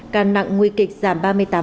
ca nặng nguy kịch giảm ba mươi tám sáu